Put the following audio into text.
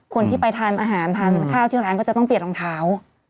คนที่ไปทานอาหารทานข้าวที่ร้านก็จะต้องเปลี่ยนรองเท้า